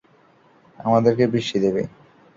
আমাদেরকে বৃষ্টি দেবে।